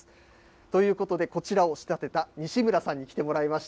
ということで、こちらを仕立てた西村さんに来てもらいました。